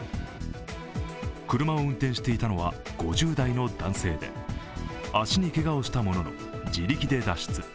車を運転していたのは５０代の男性で、足にけがをしたものの自力で脱出。